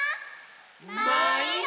まいど！